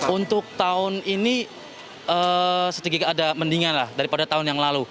untuk tahun ini sedikit ada mendingan lah daripada tahun yang lalu